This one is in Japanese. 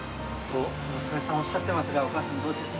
娘さんおっしゃってますが、お母さん、どうですか？